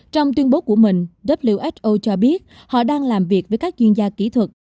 trong tuyên bố của mình who cho biết họ đang làm việc với các chuyên gia kỹ thuật